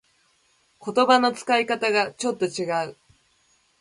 言葉の使い方がちょっと違う